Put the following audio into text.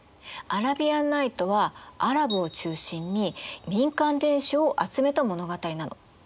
「アラビアンナイト」はアラブを中心に民間伝承を集めた物語なの。